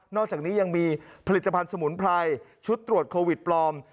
อกจากนี้ยังมีผลิตภัณฑ์สมุนไพรชุดตรวจโควิดปลอม